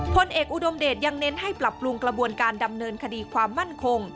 พลเอกอุดมเดชยังเน้นให้ปรับปรุงกระบวนการดำเนินคดีความมั่นคง